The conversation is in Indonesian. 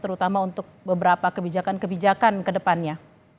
terutama untuk beberapa kebijakan kebijakan ke depannya